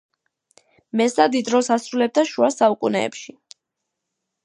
მესა დიდ როლს ასრულებდა შუა საუკუნეებში.